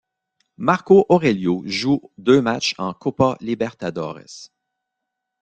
Marco Aurélio joue deux matchs en Copa Libertadores.